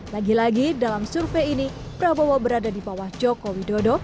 lagi lagi dalam survei ini prabowo berada di bawah joko widodo